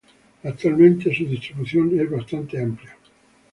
Actualmente su distribución es bastante amplia.